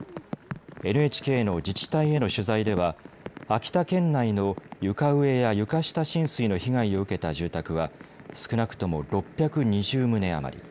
ＮＨＫの自治体への取材では秋田県内の床上や床下浸水の被害を受けた住宅は少なくとも６２０棟余り。